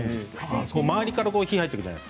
周りから火が入っていく。